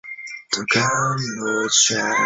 为此他被提名艾美奖。